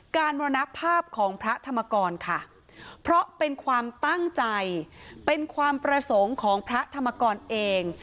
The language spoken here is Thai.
มรณภาพของพระธรรมกรค่ะเพราะเป็นความตั้งใจเป็นความประสงค์ของพระธรรมกรเอง